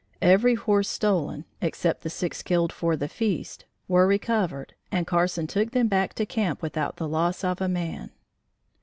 Every horse stolen (except the six killed for the feast) were recovered and Carson took them back to camp without the loss of a man.